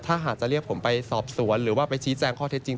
ถ้าหากจะเรียกผมไปสอบสวนหรือว่าไปชี้แจงข้อเท็จจริง